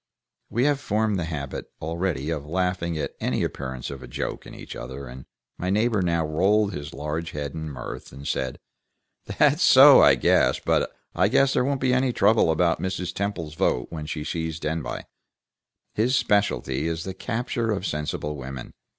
We had formed the habit already of laughing at any appearance of joke in each other, and my neighbor now rolled his large head in mirth, and said: "That's so, I guess. But I guess there won't be any trouble about Mrs. Temple's vote when she sees Denbigh. His specialty is the capture of sensible women.